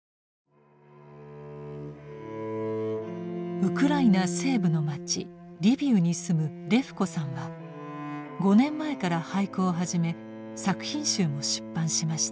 ウクライナ西部の町リビウに住むレフコさんは５年前から俳句を始め作品集も出版しました。